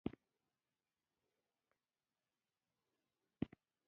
موږ به له روسیې سره تفاهم وکړو.